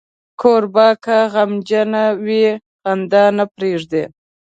کوربه که غمجن وي، خندا نه پرېږدي.